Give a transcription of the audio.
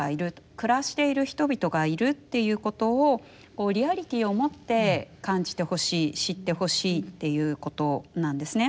暮らしている人々がいるっていうことをリアリティーを持って感じてほしい知ってほしいっていうことなんですね。